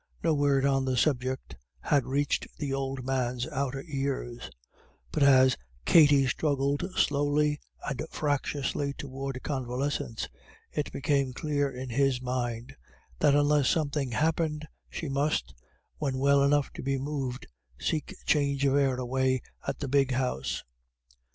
No word on the subject had reached the old man's outer ears; but as Katty struggled slowly and fractiously towards convalescence, it became clearer in his mind that unless something happened, she must, when well enough to be moved, seek change of air away at the big House.